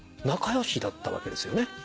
仲良しだったわけですよね？